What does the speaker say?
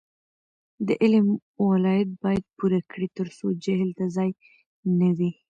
د علم ولایت باید پوره کړي ترڅو جهل ته ځای نه وي.